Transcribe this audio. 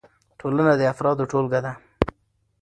ټولنه د افرادو ټولګه ده.